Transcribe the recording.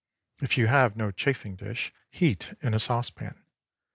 If you have no chafing dish, heat in a saucepan.